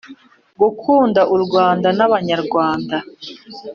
gukunda u Rwanda n Abanyarwanda